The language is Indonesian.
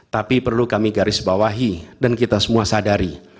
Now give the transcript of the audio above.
tapi perlu kami garis bawahi dan kita semua sadari